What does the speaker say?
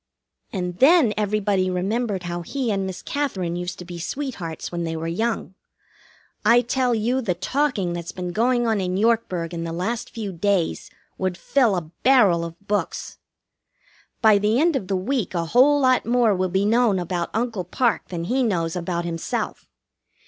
And then everybody remembered how he and Miss Katherine used to be sweethearts when they were young. I tell you, the talking that's been going on in Yorkburg in the last few days would fill a barrel of books. By the end of the week a whole lot more will be known about Uncle Parke than he knows about himself.